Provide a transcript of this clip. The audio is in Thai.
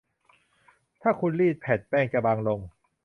ถ้าคุณรีดแผ่นแป้งจะบางลง